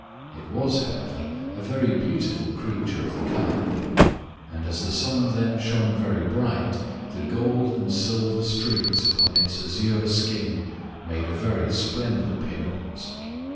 It was however, a very beautiful creature of the kind, and as the sun then shone very bright, the golden and silver streaks upon its azure skin made a very splendid appearance.